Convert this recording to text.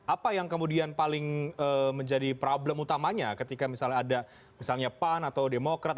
apa yang kemudian paling menjadi problem utamanya ketika misalnya ada misalnya pan atau demokrat